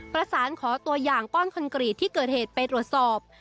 ประสานขอตัวอย่างก้อนคอนกรีตที่เกิดเหตุไปตรวจสอบ